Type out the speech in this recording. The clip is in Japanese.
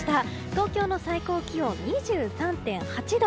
東京の最高気温、２３．８度。